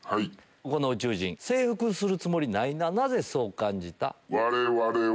この宇宙人征服するつもりないななぜそう感じた？